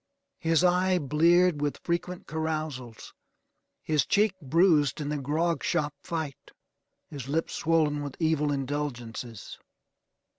His eye bleared with frequent carousals. His cheek bruised in the grog shop fight. His lip swollen with evil indulgences.